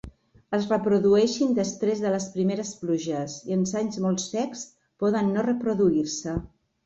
Es reprodueixin després de les primeres pluges i en anys molt secs poden no reproduir-se.